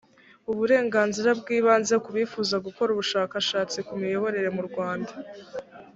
uburenganzira bw ibanze ku bifuza gukora ubushakashatsi ku miyoborere mu rwanda